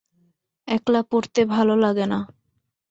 একলা পড়তে ভালো লাগে না।